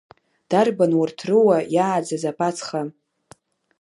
Дарбан урҭ руа иааӡаз аԥацха?